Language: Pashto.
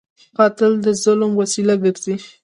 قاتل د ظلم وسیله ګرځي